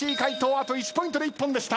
あと１ポイントで一本でした。